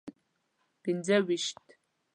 پنځه ویشت.